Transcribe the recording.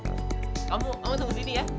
kamu tunggu sini ya